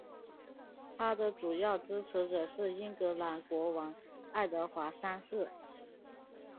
他的主要支持者是英格兰国王爱德华三世。